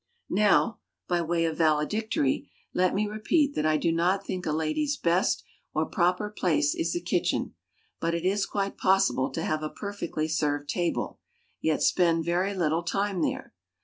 Now, by way of valedictory, let me repeat that I do not think a lady's best or proper place is the kitchen; but it is quite possible to have a perfectly served table, yet spend very little time there.